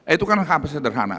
itu kan hampir sederhana